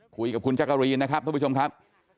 คุยกับคุณจักรีนนะครับท่านผู้ชมครับ